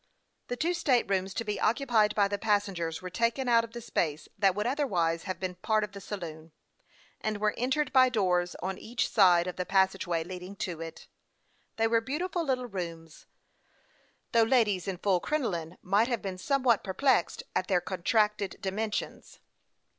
The two state rooms to be occupied by the passen gers were taken out of the space that would other Avise have been part of the saloon, and were entered by doors on each side of a passage way leading to it. They were beautiful little rooms, though ladies in full crinoline might have been somewhat perplexed at their contracted dimensions.